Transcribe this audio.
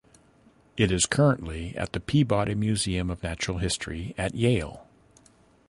It is currently at the Peabody Museum of Natural History at Yale.